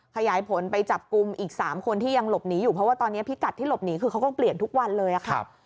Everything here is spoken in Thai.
ขยายผลไปจับกลุ่มอีก๓คนที่ยังหลบหนีอยู่เพราะว่าตอนนี้พิกัดที่หลบหนีคือเขาก็เปลี่ยนทุกวันเลยค่ะ